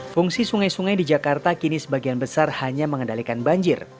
fungsi sungai sungai di jakarta kini sebagian besar hanya mengendalikan banjir